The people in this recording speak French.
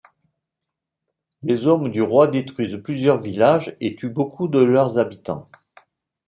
Les hommes du roi détruisent plusieurs villages et tuent beaucoup de leurs habitants.